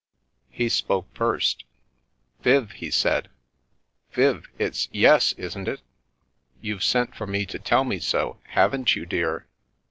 " He spoke first. " Viv," he said, " Viv, it's ' yes/ isn't it? You've sent for me to tell me so, haven't you, dear